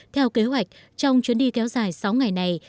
theo kế hoạch trong chuyến đi kéo dài sáu ngày này